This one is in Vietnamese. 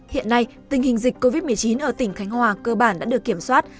hiện nay tình hình dịch covid một mươi chín ở tỉnh khánh hòa cơ bản đã được kiểm soát